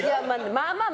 まあまあ。